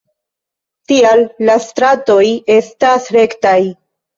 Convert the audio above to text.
Tial la stratoj estas rektaj.